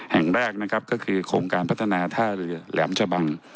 แห่งแรกก็คือโครงการพัฒนาท่าเรือแหลมจบัง